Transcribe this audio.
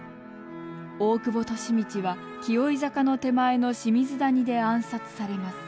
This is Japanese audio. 大久保利通は紀尾井坂の手前の清水谷で暗殺されます。